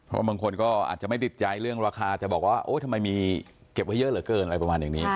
เพราะบางคนก็อาจจะไม่ติดใจเรื่องราคาจะบอกว่าโอ๊ยทำไมมีเก็บไว้เยอะเหลือเกินอะไรประมาณอย่างนี้